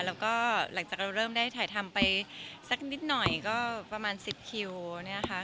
แล้วก็หลังจากเราเริ่มได้ถ่ายทำไปสักนิดหน่อยก็ประมาณ๑๐คิวเนี่ยค่ะ